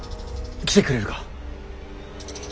来てくれるか。